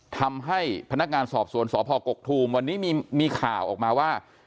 ทำให้พนักงานสอบสวนสพกกตูมวันนี้มีข่าวออกมาว่า